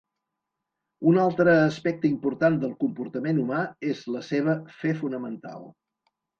Un altre aspecte important del comportament humà és la seva "fe fonamental".